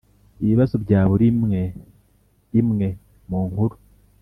ibibazo bya buri imwe imwe mu nkuru,